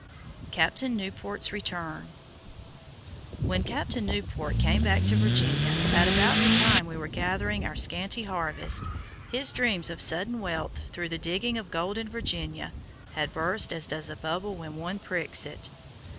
CAPTAIN NEWPORT'S RETURN When Captain Newport came back to Virginia, at about the time we were gathering our scanty harvest, his dreams of sudden wealth, through the digging of gold in Virginia, had burst as does a bubble when one pricks it.